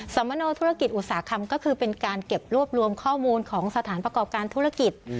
สมโนธุรกิจอุตสาหกรรมก็คือเป็นการเก็บรวบรวมข้อมูลของสถานประกอบการธุรกิจ